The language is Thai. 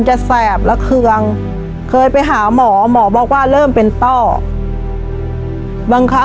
ชีวิตหนูเกิดมาเนี่ยอยู่กับดิน